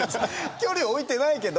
距離置いてないけど。